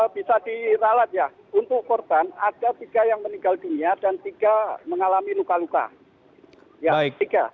bisa diralat ya untuk korban ada tiga yang meninggal dunia dan tiga mengalami luka luka